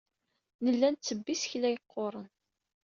Nella nettebbi isekla yeqquren.